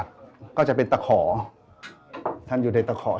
ชื่องนี้ชื่องนี้ชื่องนี้ชื่องนี้